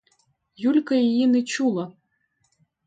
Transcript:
Юлька її не чула.